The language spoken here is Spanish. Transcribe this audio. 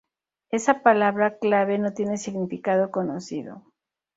Esa palabra clave no tiene significado conocido.